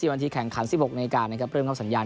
วันที่แข่งขัน๑๖นาฬิกานะครับเริ่มเข้าสัญญาณ